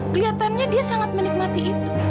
kelihatannya dia sangat menikmati itu